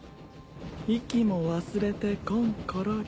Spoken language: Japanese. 息も忘れてこんころり。